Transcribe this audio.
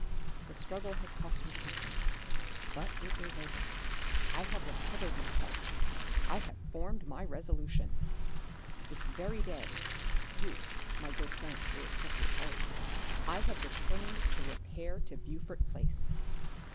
The struggle has cost me something, but it is over. I have recovered my health, I have formed my resolution. This very day, (you, my good friend, will accept the apology) I had determined to repair to Beaufort Place.